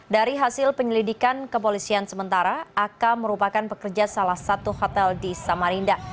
dari hasil penyelidikan kepolisian sementara ak merupakan pekerja salah satu hotel di samarinda